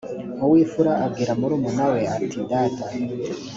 uw imfura abwira murumuna we ati data